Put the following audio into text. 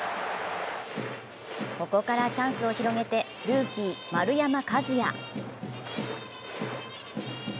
ここからチャンスを広げて、ルーキー・丸山和郁。